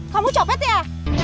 kamu copet ya